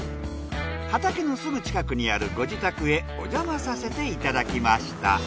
畑のすぐ近くにあるご自宅へおじゃまさせていただきました。